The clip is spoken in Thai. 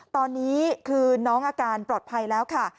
ตอนนี้คือน้องอาการปลอดภัยแล้วค่ะ